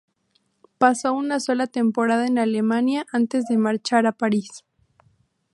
Pasó una sola temporada en Alemania antes de marchar a París.